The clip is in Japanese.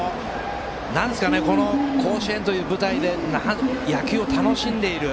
この甲子園という舞台で野球を楽しんでいる。